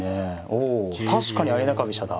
お確かに相中飛車だ。